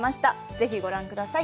ぜひご覧ください。